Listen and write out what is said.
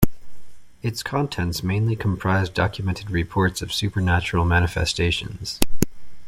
Its contents mainly comprised documented reports of supernatural manifestations.